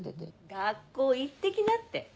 学校行って来なって。